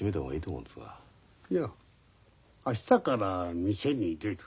いや明日から店に出る。